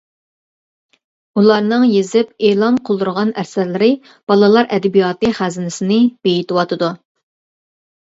ئۇلارنىڭ يېزىپ، ئېلان قىلدۇرغان ئەسەرلىرى بالىلار ئەدەبىياتى خەزىنىسىنى بېيىتىۋاتىدۇ.